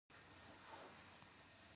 د نوښتګرو فکرونو سرچینه ځوانان دي.